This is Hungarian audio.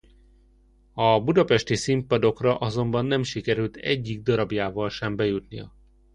A budapesti színpadokra azonban nem sikerült egyik darabjával sem bejutnia.